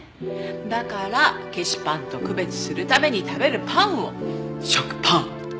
だから消しパンと区別するために食べるパンを食パン。